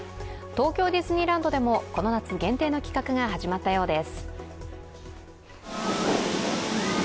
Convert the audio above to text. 東京ディズニーランドでもこの夏限定の企画が始まったようです。